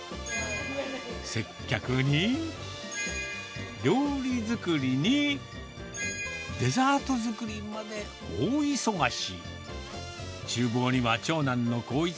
接客に、料理作りに、デザート作りまで大忙し。